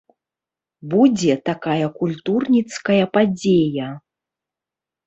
Будзе такая культурніцкая падзея.